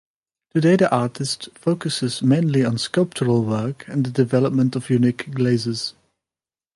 Today the artist focusses mainly on sculptural work and the development of unique glazes.